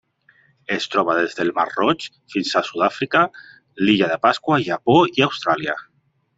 Es troba des del Mar Roig fins a Sud-àfrica, l'Illa de Pasqua, Japó i Austràlia.